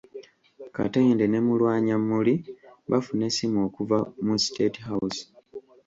Katende ne Mulwanyammuli bafuna essimu okuva mu State House